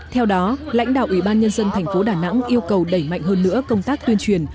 theo đó lãnh đạo ủy ban nhân dân thành phố đà nẵng yêu cầu đẩy mạnh hơn nữa công tác tuyên truyền